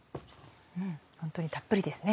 ホントにたっぷりですね。